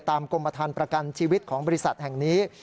กรมฐานประกันชีวิตของบริษัทแห่งนี้